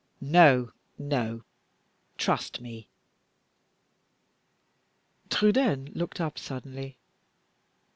No! no! trust me " Trudaine looked up suddenly.